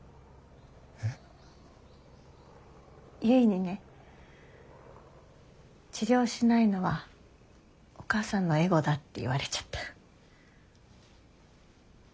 結にね治療しないのはお母さんのエゴだって言われちゃった。